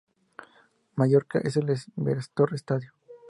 Mallorca en el Iberostar Estadio.